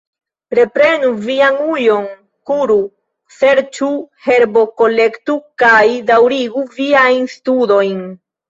Reprenu vian ujon, kuru, serĉu, herbokolektu, kaj daŭrigu viajn studojn.